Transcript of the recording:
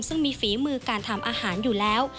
ซึ่งมีฝีมือการทำอาหารอยู่แล้ว